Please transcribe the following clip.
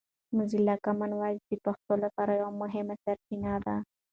موزیلا کامن وایس د پښتو لپاره یوه مهمه سرچینه ده.